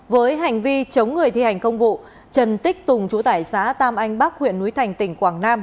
với hành vi chống người thi hành công vụ trần tích tùng chủ tải xã tam anh bắc huyện núi thành tỉnh quảng nam